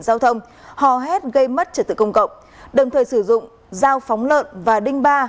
giao thông hò hét gây mất trật tự công cộng đồng thời sử dụng dao phóng lợn và đinh ba